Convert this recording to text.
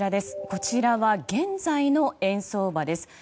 こちらは現在の円相場です。